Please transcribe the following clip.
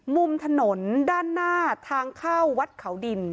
มุมถนนด้านหน้าทางเข้าวัดเขาดิน